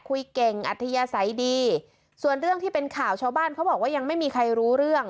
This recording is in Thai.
คุยเก่งอัธยาศัยดีส่วนเรื่องที่เป็นข่าวชาวบ้านเขาบอกว่ายังไม่มีใครรู้เรื่อง